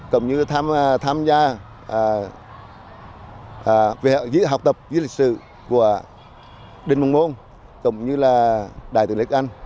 cũng như tham gia học tập dưới lịch sử của đình măng môn cũng như là đại tưởng lê đức anh